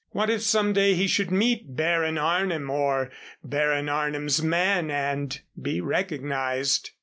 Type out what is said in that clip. What if some day he should meet Baron Arnim or Baron Arnim's man and be recognized?